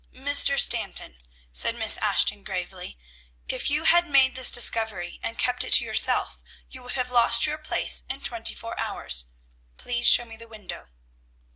"Mr. Stanton," said Miss Ashton gravely, "if you had made this discovery and kept it to yourself, you would have lost your place in twenty four hours. Please show me the window."